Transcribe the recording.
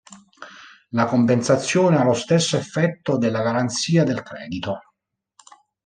La compensazione ha lo stesso effetto della garanzia del credito.